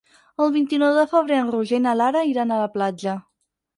El vint-i-nou de febrer en Roger i na Lara iran a la platja.